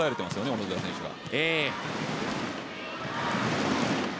小野寺選手が。